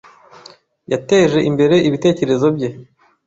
Yateje imbere ibitekerezo bye.